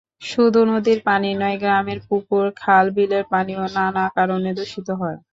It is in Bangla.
শুধু নদীর পানি নয়, গ্রামের পুকুর, খাল-বিলের পানিও নানা কারণে দূষিত হয়।